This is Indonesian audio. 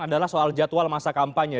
adalah soal jadwal masa kampanye